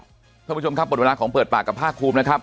คุณผู้ชมครับหมดเวลาของเปิดปากกับภาคภูมินะครับ